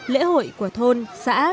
lễ hội của thôn xã